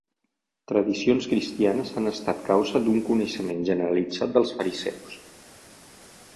Tradicions cristianes han estat causa d'un coneixement generalitzat dels fariseus.